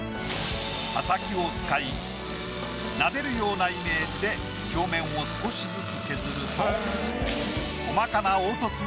刃先を使いなでるようなイメージで表面を少しずつ削ると。